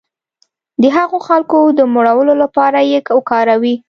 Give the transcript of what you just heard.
د هغو خلکو د مړولو لپاره یې وکاروي.